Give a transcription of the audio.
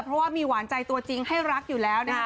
เพราะว่ามีหวานใจตัวจริงให้รักอยู่แล้วนะคะ